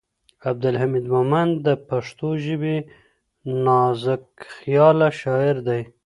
عبدالحمید مومند د پښتو ژبې نازکخیاله شاعر دی.